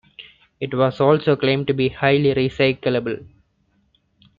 It was also claimed to be highly recyclable.